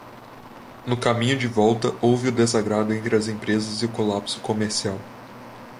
No caminho de volta houve o desagrado entre as empresas e o colapso comercial.